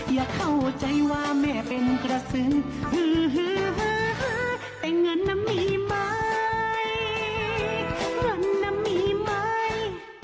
อย่าเข้าใจว่าแม่เป็นกระสือแต่เงินน่ะมีไหมเงินน่ะมีไหม